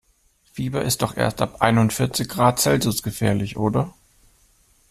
Fieber ist doch erst ab einundvierzig Grad Celsius gefährlich, oder?